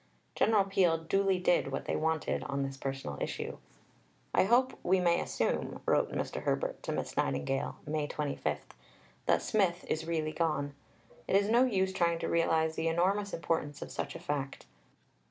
General Peel duly did what they wanted on this personal issue. "I hope we may assume," wrote Mr. Herbert to Miss Nightingale (May 25), "that Smith is really gone. It is no use trying to realize the enormous importance of such a fact."